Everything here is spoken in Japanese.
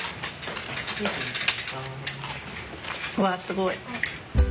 うわすごい。